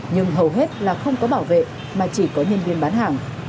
nhưng hầu hết là không có bảo vệ mà chỉ có nhân viên bán hàng